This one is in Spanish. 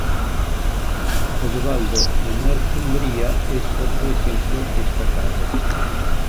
Oswaldo de Northumbria es otro ejemplo destacado.